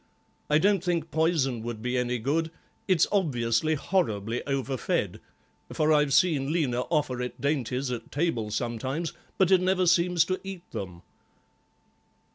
I don't think poison would be any good; it's obviously horribly over fed, for I've seen Lena offer it dainties at table sometimes, but it never seems to eat them."